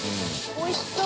おいしそう！